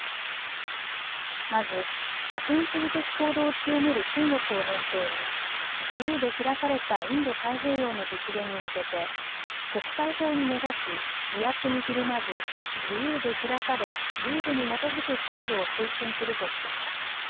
まず覇権主義的行動を強める中国を念頭に自由で開かれたインド太平洋の実現に向けて国際法に根ざし威圧にひるまず自由で開かれルールに基づく秩序を推進するとしています。